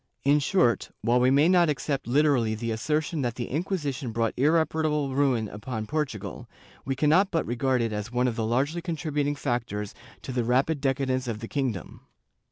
In short, while we may not accept literally the assertion that the Inquisition brought irre parable ruin upon Portugal, we cannot but regard it as one of the largely contributing factors to the rapid decadence of the kingdom.